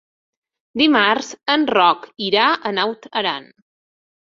Dimarts en Roc irà a Naut Aran.